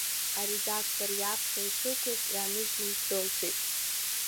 Аредақтор иаԥхьа ишықәыз иааныжьны ддәылҵит…